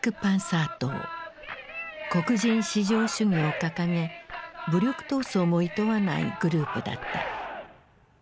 黒人至上主義を掲げ武力闘争もいとわないグループだった。